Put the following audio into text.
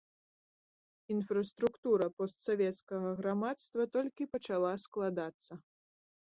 Інфраструктура постсавецкага грамадства толькі пачала складацца.